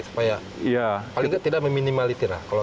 supaya paling tidak meminimalisir lah